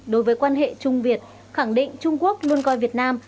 đối với quan hệ trung việt khẳng định trung quốc luôn coi việt nam